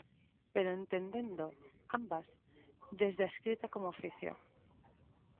Pero entendendo, ambas, desde a escrita como oficio.